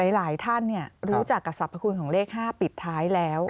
หลายท่านรู้จักกับสรรพคุณของเลข๕ปิดท้ายแล้ว